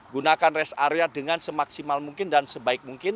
gunakan rest area dengan semaksimal mungkin dan sebaik mungkin